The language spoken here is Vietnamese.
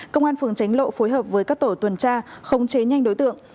công an phường tránh lộ phối hợp với các tổ tuần tra không chế nhanh đối tượng